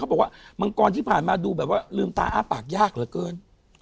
บอกว่ามังกรที่ผ่านมาดูแบบว่าลืมตาอ้าปากยากเหลือเกิน